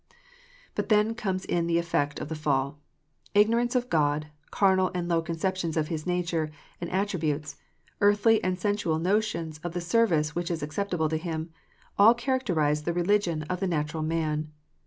But then comes in the effect of the fall. Ignorance of God, carnal and low conceptions of His nature and attributes, earthly and sensual notions of the service which is acceptable to Him, all characterize the religion of the natural man.